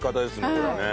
これね。